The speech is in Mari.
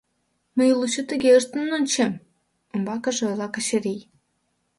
— Мый лучо тыге ыштен ончем, — умбакыже ойла Качырий.